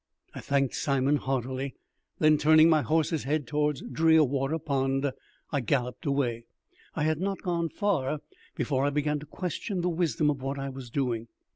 I thanked Simon heartily; then, turning my horse's head towards Drearwater Pond, I galloped away. I had not gone far before I began to question the wisdom of what I was doing.